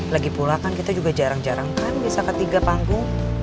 lagipula kan kita juga jarang jarang kan bisa ke tiga panggung